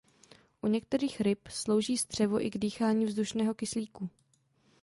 U některých ryb slouží střevo i k dýchání vzdušného kyslíku.